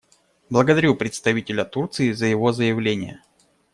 Благодарю представителя Турции за его заявление.